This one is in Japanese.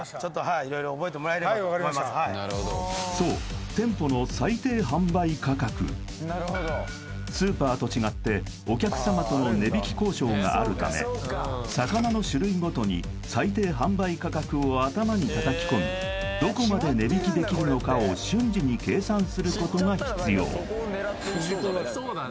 はいわかりましたそうスーパーと違ってお客様との値引き交渉があるため魚の種類ごとに最低販売価格を頭に叩き込みどこまで値引きできるのかを瞬時に計算することが必要すじこだ